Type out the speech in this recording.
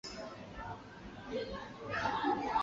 黄妃因而正式踏入主流乐坛。